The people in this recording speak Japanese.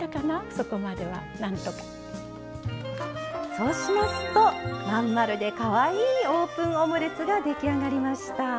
そうしますと真ん丸でかわいいオープンオムレツが出来上がりました。